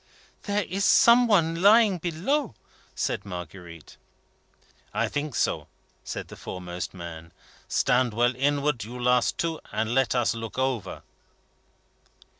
"There is some one lying below," said Marguerite. "I think so," said the foremost man. "Stand well inward, the two last, and let us look over."